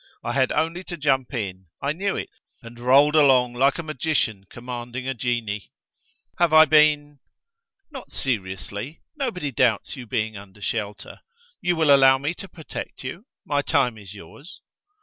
I had only to jump in; I knew it, and rolled along like a magician commanding a genie." "Have I been ..." "Not seriously, nobody doubts you being under shelter. You will allow me to protect you? My time is yours."